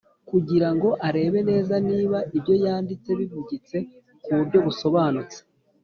kugirango arebe neza niba ibyo yanditse bivugitse ku buryo busobanutse